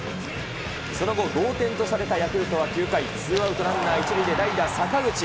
その後、同点とされたヤクルトは９回、つーあうとらんなー１るいで代打、坂口。